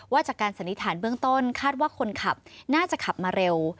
จากการสันนิษฐานเบื้องต้นคาดว่าคนขับน่าจะขับมาเร็ว